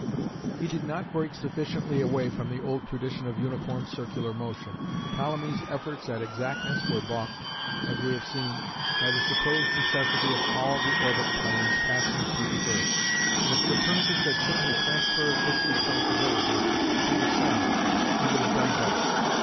He did not break sufficiently away from the old tradition of uniform circular motion. Ptolemy's efforts at exactness were baulked, as we have seen, by the supposed necessity of all the orbit planes passing through the earth, and if Copernicus had simply transferred this responsibility to the sun he would have done better.